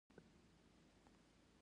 ویټامین سي په کومو خوړو کې ډیر وي